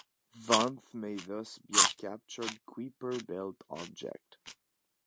Vanth may thus be a captured Kuiper belt object.